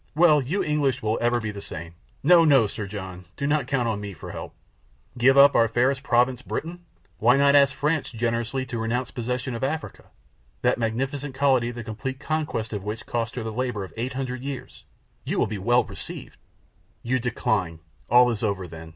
"Well, you English will ever be the same. No, no, Sir John, do not count on me for help. Give up our fairest province, Britain? Why not ask France generously to renounce possession of Africa, that magnificent colony the complete conquest of which cost her the labor of 800 years? You will be well received!" "You decline! All is over then!"